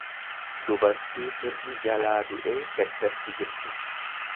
dubartii firri jalaa du'ee gaddatti jirtu.